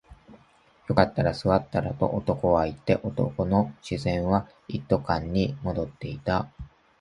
よかったら座ったらと男は言って、男の視線は一斗缶に戻っていた